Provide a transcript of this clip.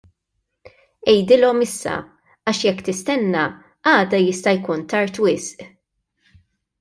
Għidilhom issa, għax jekk tistenna, għada jista' jkun tard wisq!